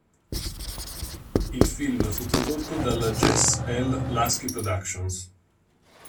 Il film fu prodotto dalla Jesse L. Lasky Productions.